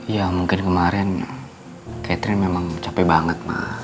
ya mungkin kemarin catherine memang capek banget mbak